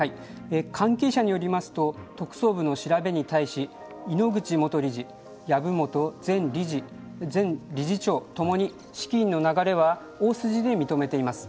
関係者によりますと特捜部の調べに対し井ノ口元理事、籔本前理事長共に資金の流れは大筋で認めています。